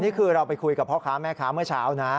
นี่คือเราไปคุยกับพ่อค้าแม่ค้าเมื่อเช้านะ